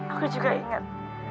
aku juga ingat